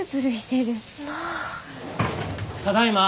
ただいま。